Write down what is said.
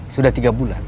sudah tiga bulan ya